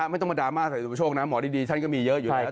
ไม่ต้องมาดราม่าใส่สุประโชคนะหมอดีฉันก็มีเยอะอยู่แล้ว